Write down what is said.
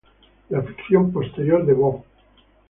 La ficción posterior de Waugh.